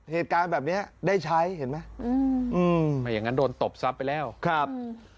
เหตุการณ์แบบเนี้ยได้ใช้เห็นไหมอืมอืมไม่อย่างงั้นโดนตบทรัพย์ไปแล้วครับ